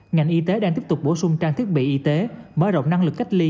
ngành y tế đang tiếp tục bổ sung trang thiết bị y tế mở rộng năng lực cách ly